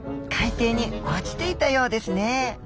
海底に落ちていたようですねえ。